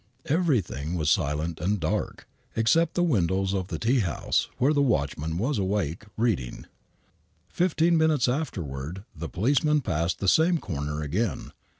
Everything was silent and dark, except the windows of the tea house, where the watchman was awake, reading. Fifteen minutes afterward the policeman passed the same corner again.